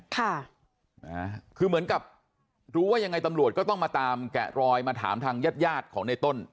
ค่ะคือเหมือนกับรู้ว่ายังไงตำรวจก็ต้องมาตามแกะรอยมาถามทางญาติญาติของในต้น